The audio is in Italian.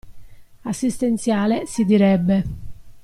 "assistenziale" si direbbe.